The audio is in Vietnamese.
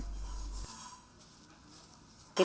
thu nhập bình quân